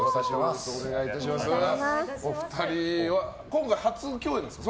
お二人は、今回初共演なんですか。